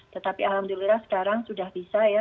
tetapi alhamdulillah sekarang sudah bisa ya